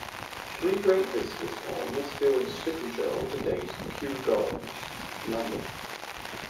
Three great vistas are Nesfield's signature on today's Kew Gardens, London.